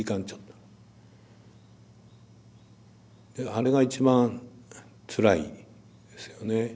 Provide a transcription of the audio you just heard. あれが一番つらいですよね。